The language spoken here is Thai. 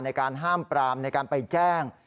ในการห้ามปรามในการไปแจ้ง